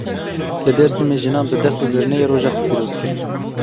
Li Dêrsimê jinan bi def û zirneyê roja xwe pîroz kirin.